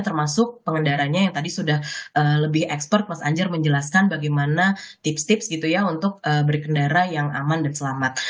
termasuk pengendaranya yang tadi sudah lebih expert mas anjar menjelaskan bagaimana tips tips gitu ya untuk berkendara yang aman dan selamat